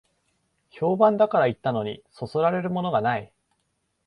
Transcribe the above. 評判だから行ったのに、そそられるものがない